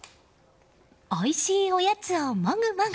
おいしいおやつをもぐもぐ。